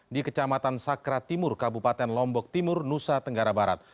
di kecamatan sakra timur kabupaten lombok timur nusa tenggara barat